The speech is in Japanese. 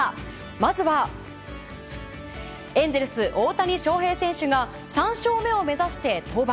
まずはエンゼルス大谷翔平選手が３勝目を目指して登板。